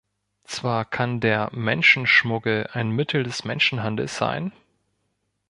Zwar kann der Menschenschmuggel ein Mittel des Menschenhandels sein.